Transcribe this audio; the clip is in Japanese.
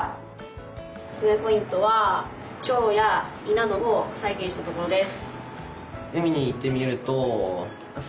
おすすめポイントは腸や胃などを再現したところです。